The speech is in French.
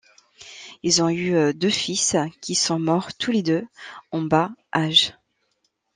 Ils ont eu deux fils, qui sont morts tous les deux en bas âge.